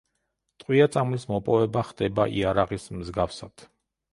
ტყვია-წამლის მოპოვება ხდება იარაღის მსგავსად.